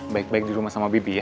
baik baik di rumah sama bibi ya